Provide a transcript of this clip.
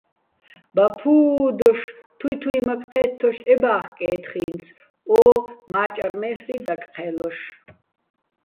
"ბა ფუუ" დოშ, თუჲ თუჲმაქ ჴე́თთოშ ჺებახკე́თხ ი́ნც, ო მა́ჭარმე́ლ'რი დაკჴე́ლოშ.